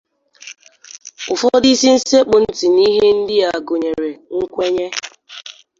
Ụfọdụ isi sekpụ ntị n'ihe ndị a gụnyèrè: nkwenye